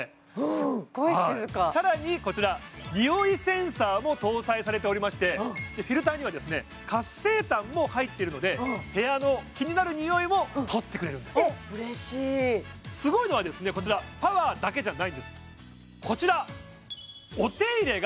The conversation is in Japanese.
すっごい静かさらにこちらニオイセンサーも搭載されておりましてフィルターには活性炭も入ってるので部屋の気になるニオイもとってくれるんですうれしいすごいのはこちらパワーだけじゃないんですこちら！